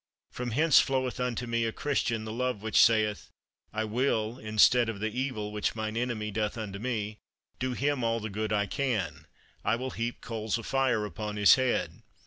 From hence floweth unto me, a Christian, the love which saith, "I will, instead of the evil which mine enemy doth unto me, do him all the good I can; I will heap coals of fire upon his head."